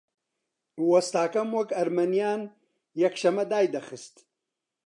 وەستاکەم وەک ئەرمەنییان یەکشەممە دایدەخست